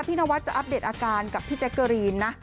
นวัดจะอัปเดตอาการกับพี่แจ๊กเกอรีนนะ